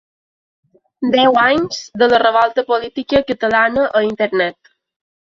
Deu anys de la revolta política catalana a Internet.